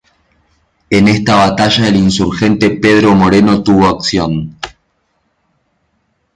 En esta batalla el insurgente Pedro Moreno tuvo acción.